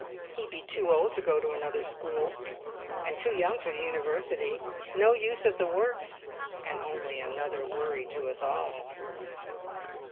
He'd be too old to go to another school, and too young for the University: no use at the works, and only another worry to us all."